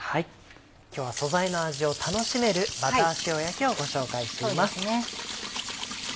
今日は素材の味を楽しめるバター塩焼きをご紹介しています。